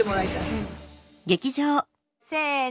せの。